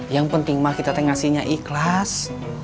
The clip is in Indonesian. yang penting mah kita ngasihnya ikhlas